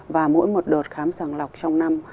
và mỗi một đợt khám sàng lọc trong năm